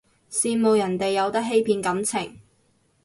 羨慕人哋有得欺騙感情